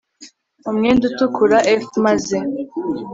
umwenda utukura f maze